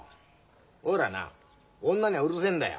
おいらな女にはうるせえんだよ。